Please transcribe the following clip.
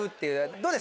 どうです？